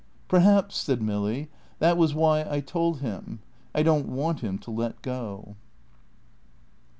"Perhaps," said Milly, "that was why I told him. I don't want him to let go."